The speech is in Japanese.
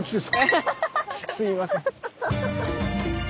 すみません。